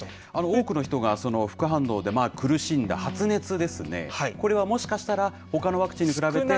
多くの人が副反応で苦しんだ、発熱ですね、これはもしかしたらほかのワクチンに比べて。